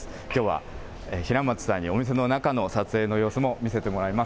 きょうは平松さんにお店の中の撮影の様子も見せてもらいます。